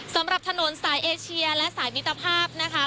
สำหรับถนนสายเอเชียและสายมิตรภาพนะคะ